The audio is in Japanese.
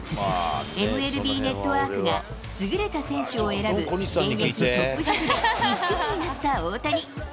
ＭＬＢネットワークが、優れた選手を選ぶ現役トップ１００で１位になった大谷。